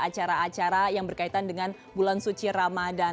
acara acara yang berkaitan dengan bulan suci ramadan